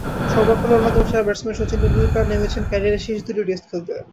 সর্বকালের অন্যতম সেরা ব্যাটসম্যান শচীন টেন্ডুলকার নেমেছেন ক্যারিয়ারের শেষ দুটি টেস্ট খেলতে।